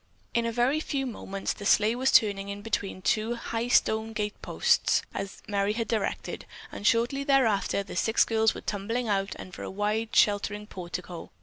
In a very few moments the sleigh was turning in between two high stone gate posts, as Merry had directed, and shortly thereafter the six girls were tumbling out under a wide sheltering portico.